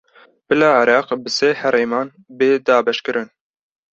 Bila Iraq bi sê herêman bê dabeşkirin